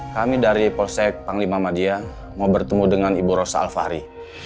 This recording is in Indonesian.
kami dari polsek panglima madia mau bertemu dengan ibu rosa alfari